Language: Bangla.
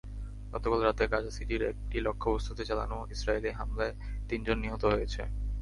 গতকাল রাতে গাজা সিটির একটি লক্ষ্যবস্তুতে চালানো ইসরায়েলি হামলায় তিনজন নিহত হয়েছে।